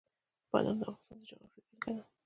بادام د افغانستان د جغرافیې بېلګه ده.